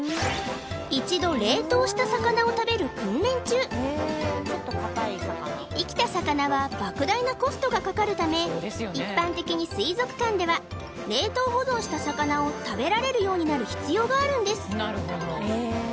一度生きた魚は莫大なコストがかかるため一般的に水族館では冷凍保存した魚を食べられるようになる必要があるんです